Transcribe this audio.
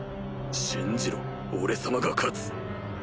信じろ俺様が勝つ。